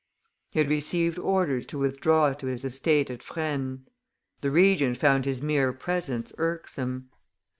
He had received orders to withdraw to his estate at Fresnes; the Regent found his mere presence irksome.